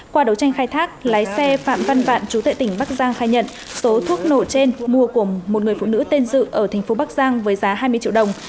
qua đấu tranh khai thác lái xe phạm văn vạn chú tệ tỉnh bắc giang khai nhận số thuốc nổ trên mua của một người phụ nữ tên dự ở thành phố bắc giang với giá hai mươi triệu đồng